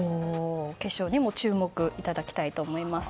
決勝にも注目いただきたいと思います。